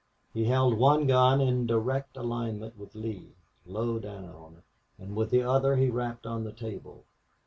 He held one gun in direct alignment with Lee, low down, and with the other he rapped on the table.